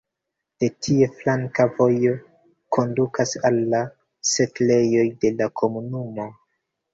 De tie flanka vojo kondukas al la setlejoj de la komunumo.